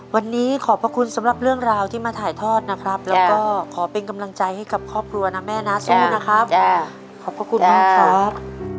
วันนี้ขอบพระคุณสำหรับเรื่องราวที่มาถ่ายทอดนะครับแล้วก็ขอเป็นกำลังใจให้กับครอบครัวนะแม่นะสู้นะครับขอบพระคุณมากครับ